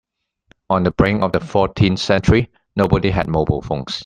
On the brink of the fourteenth century, nobody had mobile phones.